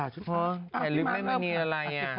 แชร์ลึกแม่มันนี่อะไรอ่ะ